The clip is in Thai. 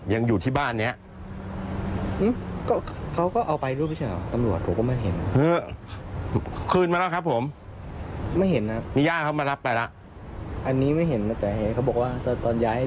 ตอนย้ายให้ดูหมาหมาตรงนี้เขาบอก๔๐๐๐๐บาทแล้ว